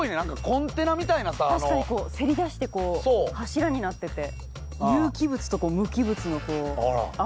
確かにせり出して柱になってて。